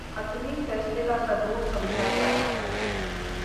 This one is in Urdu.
حتمی فیصلے کا صدور سمجھا جاتا ہے